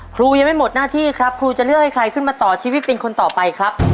ครูยังไม่หมดหน้าที่ครับครูจะเลือกให้ใครขึ้นมาต่อชีวิตเป็นคนต่อไปครับ